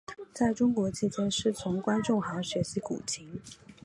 在中国期间师从关仲航学习古琴。